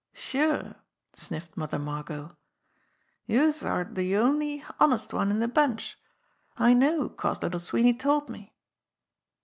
"Sure!" sniffed Mother Margot. "Youse're de only honest one in de bunch. I know 'cause Little Sweeney told me!"